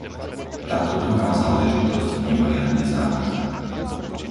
Táto druhá záležitosť je mimoriadne závažná.